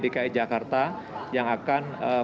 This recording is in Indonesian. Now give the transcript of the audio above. dki jakarta yang akan